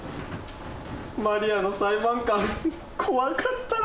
マリアの裁判官怖かったな。